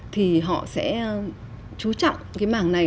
thì họ sẽ chú trọng cái mảng này